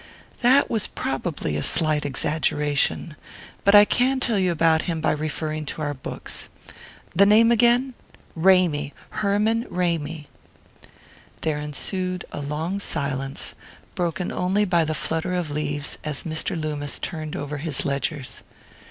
"That was probably a slight exaggeration. But I can tell you about him by referring to our books. The name again?" "Ramy Herman Ramy." There ensued a long silence, broken only by the flutter of leaves as Mr. Loomis turned over his ledgers.